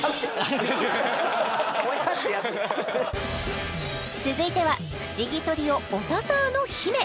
もやしやって続いては不思議トリオオタサーのヒメ